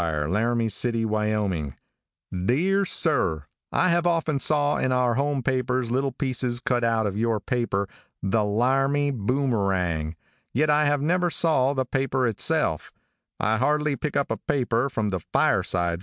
Laramie City, Wyoming: "Dear Sir: I have often saw in our home papers little pieces cut out of your paper The Larmy Boomerang, yet I have never saw the paper itself. I hardly pick up a paper, from the Fireside.